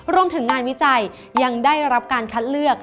รวมถึงงานวิจัยยังได้รับการคัดเลือก